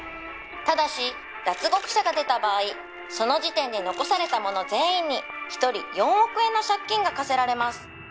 「ただし脱獄者が出た場合その時点で残された者全員に１人４億円の借金が課せられます」